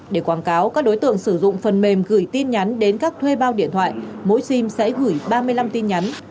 để quảng cáo các đối tượng sử dụng phần mềm gửi tin nhắn đến các thuê bao điện thoại mỗi sim sẽ gửi ba mươi năm tin nhắn